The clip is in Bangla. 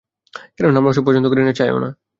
কেননা ওসব আমরা পছন্দ করি না, চাইও না।